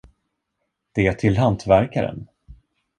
Det är till hantverkaren.